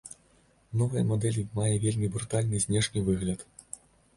Новая мадэль мае вельмі брутальны знешні выгляд.